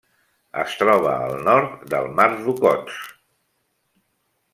Es troba al nord del Mar d'Okhotsk.